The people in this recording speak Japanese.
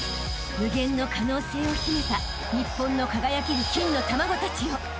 ［無限の可能性を秘めた日本の輝ける金の卵たちよ］